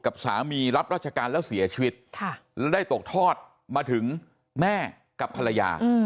กับสามีรับราชการแล้วเสียชีวิตแล้วได้ตกทอดมาถึงแม่กับภรรยา